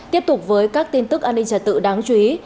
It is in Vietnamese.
tiếp tục với các tin tức an ninh trật tự đáng chú ý